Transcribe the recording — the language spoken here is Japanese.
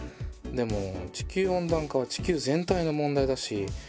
でも地球温暖化は地球全体の問題だし。